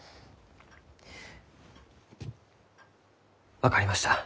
分かりました。